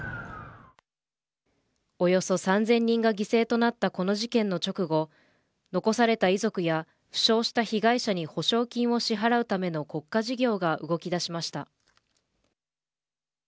およそ３０００人が犠牲となったこの事件の直後残された遺族や負傷した被害者に補償金を支払うための国家事業が動き出しました。